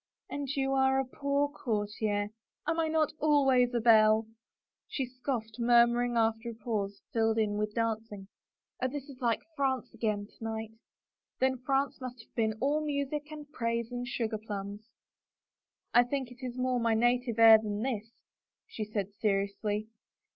" And you a poor courtier ! Am I not always a belle ?" she scoffed, murmuring after a pause, filled in with dancing, " Oh, this is like France again — to night I " "Then France must have been all music and praise and sugarplums." 53 THE FAVOR OF KINGS ." I think it more my native air than this/' she said seriously.